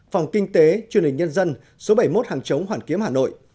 phòng kinh tế chương trình nhân dân số bảy mươi một hàng chống hoàn kiếm hà nội